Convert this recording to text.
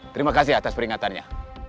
terima kasih atas peringatannya